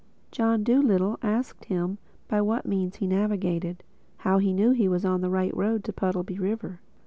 John Dolittle asked him by what means he navigated—how he knew he was on the right road to Puddleby River.